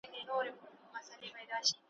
نه د چا غلیم یم نه حسد لرم په زړه کي ,